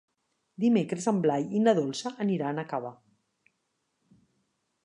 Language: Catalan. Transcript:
Dimecres en Blai i na Dolça aniran a Cava.